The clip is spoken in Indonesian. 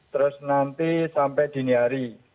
terus nanti sampai dini hari